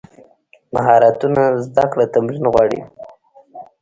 مهارتونه زده کړه تمرین غواړي.